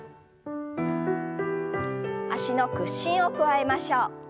脚の屈伸を加えましょう。